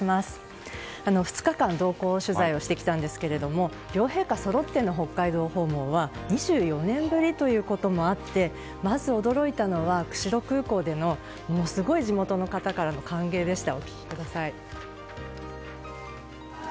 ２日間同行取材をしてきたんですけど両陛下そろっての北海道訪問は２４年ぶりということもあってまず驚いたのは、釧路空港でのものすごい地元の方からの歓迎でした。